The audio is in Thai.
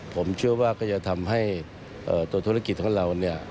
ผมเชื่อว่าก็จะทำให้ตัวธุรกิจของเราเนี่ย